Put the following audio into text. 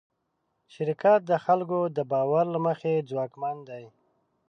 شرکت د خلکو د باور له مخې ځواکمن دی.